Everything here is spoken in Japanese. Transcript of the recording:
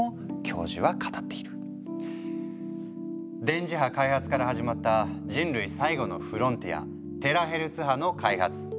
電磁波開発から始まった人類最後のフロンティア「テラヘルツ波」の開発。